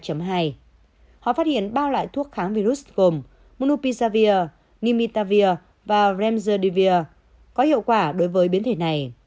họ phát hiện ba loại thuốc kháng virus gồm mnupisavir nimitavir và remsudivir có hiệu quả đối với biến thể này